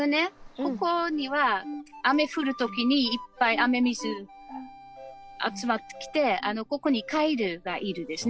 ここには雨降る時にいっぱい雨水集まってきてここにカエルがいるんですね。